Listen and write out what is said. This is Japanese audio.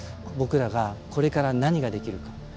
僕らがこれから何ができるか。